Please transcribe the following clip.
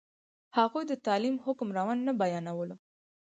هغوی د تعلیم حکم روڼ نه بیانولو.